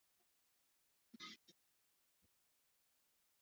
Lori lilobeba majani hayo ya mgomba huyabeba mpaka kwenye eneo la sherehe